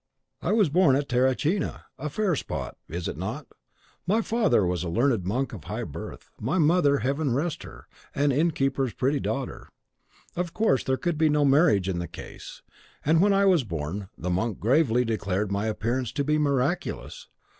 "I was born at Terracina, a fair spot, is it not? My father was a learned monk of high birth; my mother Heaven rest her! an innkeeper's pretty daughter. Of course there could be no marriage in the case; and when I was born, the monk gravely declared my appearance to be miraculous.